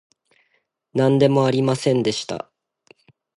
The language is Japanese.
なんでもありませんでした